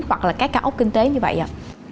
hoặc là các cao ốc kinh tế như vậy rồi